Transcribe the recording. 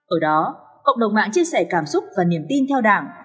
ở đó cộng đồng mạng chia sẻ cảm xúc và niềm tin theo đảng